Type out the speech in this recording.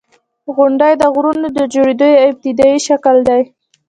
• غونډۍ د غرونو د جوړېدو یو ابتدایي شکل دی.